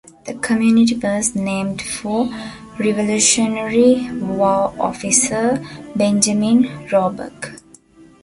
The community was named for Revolutionary War Officer, Benjamin Roebuck.